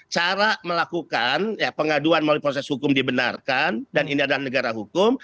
cara melakukan pengaduan melalui proses hukum dibenarkan dan ini adalah negara hukum